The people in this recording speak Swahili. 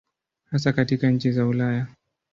Hasa katika nchi za Ulaya.